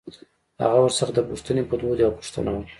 هغه ورڅخه د پوښتنې په دود يوه پوښتنه وکړه.